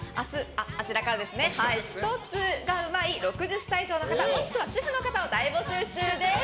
「スト２」がうまい６０歳以上の方もしくは主婦の方を大募集中です。